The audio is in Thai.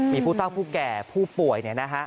มีผู้เท่าผู้แก่ผู้ป่วย